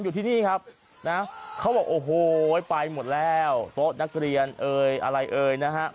อยู่ที่นี่ครับนะเขาบอกโอ้โหไปหมดแล้วโต๊ะนักเรียนเอ่ยอะไรเอ่ยนะฮะ